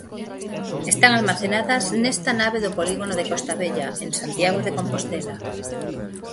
Están almacenadas nesta nave do polígono de Costa Vella, en Santiago de Compostela.